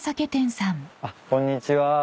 あっこんにちは。